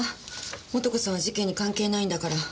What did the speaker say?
素子さんは事件に関係ないんだから。